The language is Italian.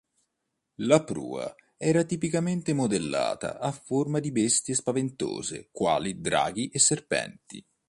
La prua era tipicamente modellata a forma di bestie spaventose quali draghi e serpenti.